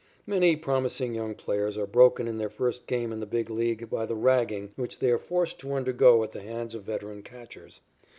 Many promising young players are broken in their first game in the Big League by the ragging which they are forced to undergo at the hands of veteran catchers.